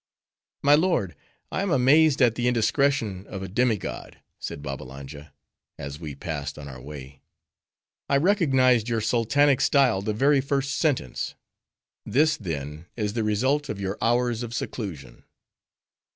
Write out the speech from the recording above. "My lord, I am amazed at the indiscretion of a demigod," said Babbalanja, as we passed on our way; "I recognized your sultanic style the very first sentence. This, then, is the result of your hours of seclusion."